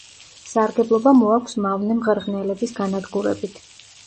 სარგებლობა მოაქვს მავნე მღრღნელების განადგურებით.